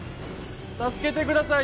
助けてください。